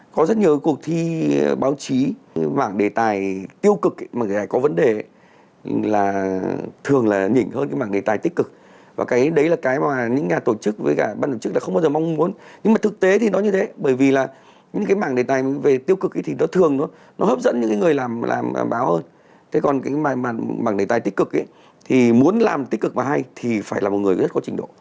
có rất nhiều cuộc thi báo chí mảng đề tài tiêu cực mà có vấn đề là thường là nhỉnh hơn cái mảng đề tài tích cực và cái đấy là cái mà những nhà tổ chức với cả ban tổ chức là không bao giờ mong muốn nhưng mà thực tế thì nó như thế bởi vì là những cái mảng đề tài về tiêu cực thì nó thường nó hấp dẫn những người làm báo hơn thế còn cái mảng đề tài tích cực thì muốn làm tích cực và hay thì phải là một người rất có trình độ